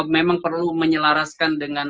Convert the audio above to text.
memang perlu menyelaraskan dengan